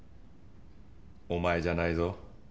お前じゃないぞ。